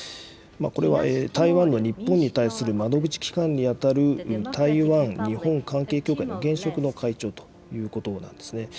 これは台湾の日本に対する窓口機関に当たる台湾日本関係協会の現職の会長ということなんですね。